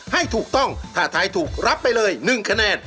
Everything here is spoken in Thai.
ให้ถูกต้องถ้าทายถูกรับไปเลย๑คะแนน